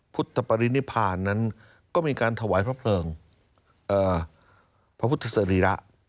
พุทธปรินิพานนั้นก็มีการถวายพระเพลิงพระพุทธสรีระ